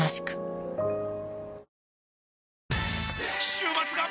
週末が！！